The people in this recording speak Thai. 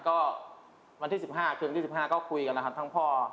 ก็วันที่๑๕คืนวันที่๑๕ก็คุยกันนะครับทั้งพ่อ